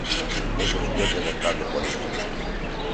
É cuestión de vontade política.